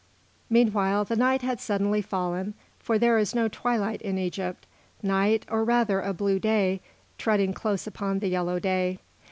Meanwhile night had suddenly fallen, for there is no twilight in Egypt, night, or rather a blue day, treading close upon the yellow day.